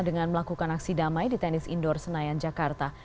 dengan melakukan aksi damai di tenis indoor senayan jakarta